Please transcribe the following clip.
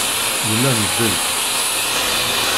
Nella ndel.